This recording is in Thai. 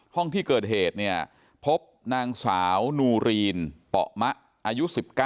ห้องที่เกิดเหตุเนี่ยพบนางสาวนูรีนเปาะมะอายุ๑๙